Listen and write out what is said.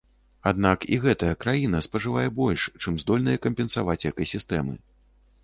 Аднак і гэтая краіна спажывае больш, чым здольныя кампенсаваць экасістэмы.